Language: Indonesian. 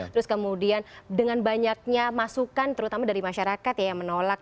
terus kemudian dengan banyaknya masukan terutama dari masyarakat ya yang menolak